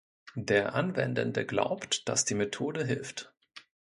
Der Anwendende glaubt, dass die Methode hilft.